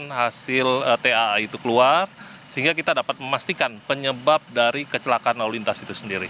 kemudian hasil tai itu keluar sehingga kita dapat memastikan penyebab dari kecelakaan lalu lintas itu sendiri